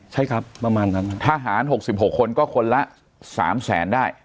ใช่ครับประมาณนั้นครับทหาร๖๖คนก็คนละ๓๐๐๐๐๐ได้